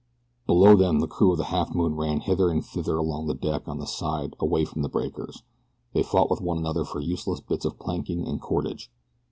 Below them the crew of the Halfmoon ran hither and thither along the deck on the side away from the breakers. They fought with one another for useless bits of planking and cordage.